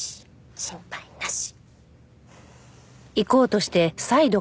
心配なし。